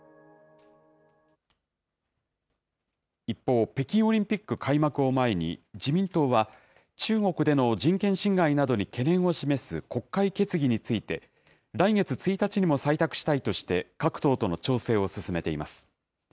一方、北京オリンピック開幕を前に、自民党は、中国での人権侵害などに懸念を示す国会決議について、来月１日にも採択したいとして、各党との調整を進めています。